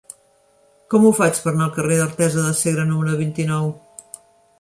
Com ho faig per anar al carrer d'Artesa de Segre número vint-i-nou?